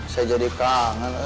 saya jadi kangen